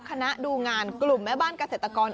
คณะดูงานกลุ่มแม่บ้านเกษตรกร